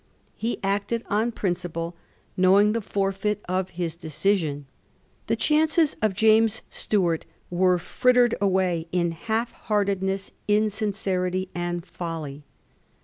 He acted on principle, knowing the forfeit of his decision. The chances of James Stuart were frittered away in half heartedness, insincerity, and folly.